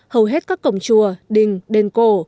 hầu hết các cổng chùa đình đền cổ